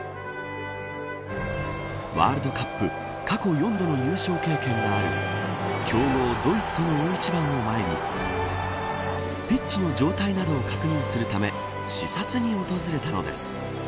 ワールドカップ過去４度の優勝経験がある強豪ドイツとの大一番を前にピッチの状態などを確認するため視察に訪れたのです。